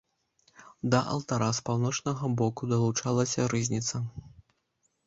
Да алтара з паўночнага боку далучалася рызніца.